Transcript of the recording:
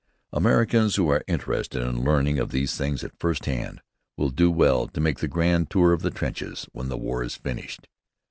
Americans who are interested in learning of these things at first hand will do well to make the grand tour of the trenches when the war is finished.